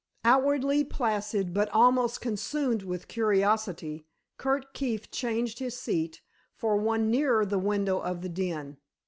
Outwardly placid, but almost consumed with curiosity, Curt Keefe changed his seat for one nearer the window of the den.